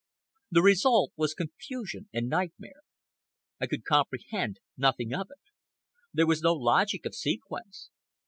The result was confusion and nightmare. I could comprehend nothing of it. There was no logic of sequence.